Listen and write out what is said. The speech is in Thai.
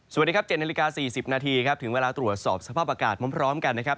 สวัสดีครับ๗นาฬิกา๔๐นาทีครับถึงเวลาตรวจสอบสภาพอากาศพร้อมกันนะครับ